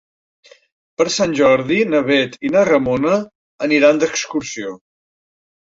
Per Sant Jordi na Bet i na Ramona aniran d'excursió.